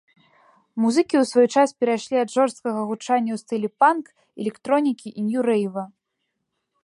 Музыкі ў свой час перайшлі ад жорсткага гучання ў стылі панк, электронікі і нью-рэйва.